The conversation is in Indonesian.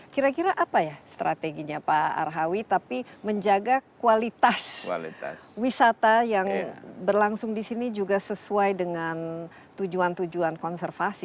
kira kira apa ya strateginya pak arhawi tapi menjaga kualitas wisata yang berlangsung di sini juga sesuai dengan tujuan tujuan konservasi